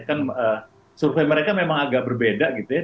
kan survei mereka memang agak berbeda gitu ya